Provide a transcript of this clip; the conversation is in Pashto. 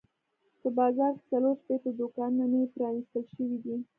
په بازار کې څلور شپېته دوکانونه نوي پرانیستل شوي دي.